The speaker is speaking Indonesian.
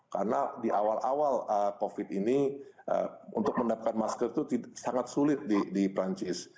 karena di awal awal covid ini untuk mendapatkan masker itu sangat sulit di perancis